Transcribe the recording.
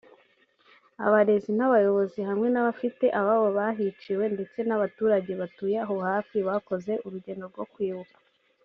abarezi n’abayobozi hamwe n’abafite ababo bahiciwe ndetse n’abaturage batuye aho hafi bakoze urugendo rwo kwibuka